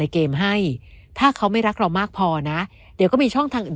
เกมให้ถ้าเขาไม่รักเรามากพอนะเดี๋ยวก็มีช่องทางอื่น